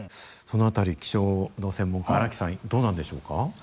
その辺り気象の専門家荒木さんどうなんでしょうか。